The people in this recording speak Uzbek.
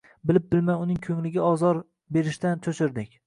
Bilib-bilmay uning ko`ngliga ozor berishdan cho`chirdik